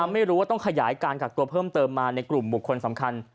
ไม่รู้ว่าต้องขยายการกักตัวเพิ่มเติมมาในกลุ่มบุคคลสำคัญ